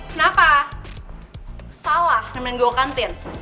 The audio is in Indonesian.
kenapa salah nemenin gue ke kantin